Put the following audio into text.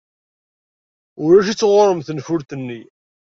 Ulac-itt ɣer-m tenfult-nni.